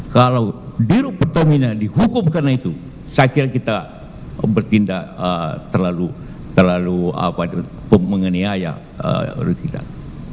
kalau diruk pertamina dihukum karena itu saya kira kita bertindak terlalu terlalu apa mengenai ayah